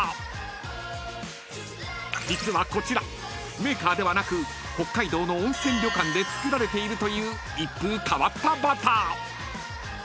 ［実はこちらメーカーではなく北海道の温泉旅館で作られているという一風変わったバター］